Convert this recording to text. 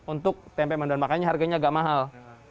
untuk tempe mendoan makannya harganya agak mahal